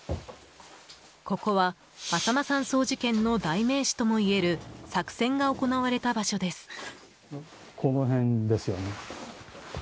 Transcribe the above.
ここは、あさま山荘事件の代名詞ともいえる作戦が行われた場所です。